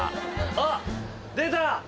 あっ出た！